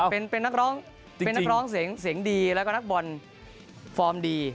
เป็นนักร้องเสียงดีแล้วก็นักบอลฟอร์มดี